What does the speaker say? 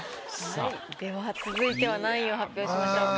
では続いては何位を発表しましょうか？